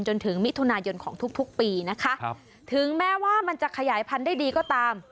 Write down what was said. จนถึงมิถุนายนของทุกปีนะคะถึงแม้ว่ามันจะขยายพันธุ์ได้ดีก็ตาม